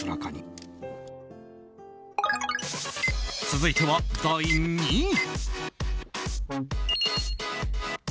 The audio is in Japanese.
続いては第２位。